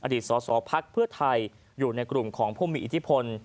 สอสอพักเพื่อไทยอยู่ในกลุ่มของผู้มีอิทธิพล